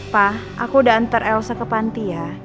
pa aku udah ntar elsa ke panti ya